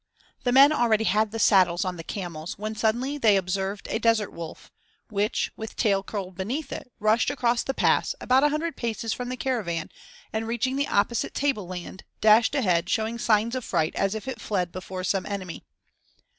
The men already had the saddles on the camels, when suddenly they observed a desert wolf, which, with tail curled beneath it, rushed across the pass, about a hundred paces from the caravan, and reaching the opposite table land, dashed ahead showing signs of fright as if it fled before some enemy.